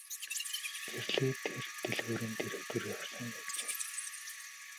Гэрлээ тэр дэлгүүрийн дэргэдүүр явсан юм чинь.